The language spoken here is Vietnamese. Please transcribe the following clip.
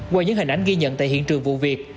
qua những hình ảnh ghi nhận tại hiện trường vụ việc